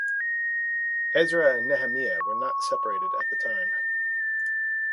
Ezra and Nehemiah were not separated at the time.